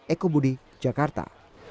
eko budi jakarta